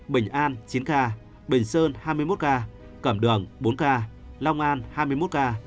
bình an chín ca bình sơn hai mươi một ca cẩm đường bốn ca long an hai mươi một ca